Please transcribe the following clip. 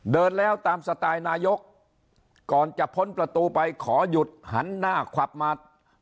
เดินแล้วตามสไตล์นายกก่อนจะพ้นประตูไปขอหยุดหันหน้าขวับมา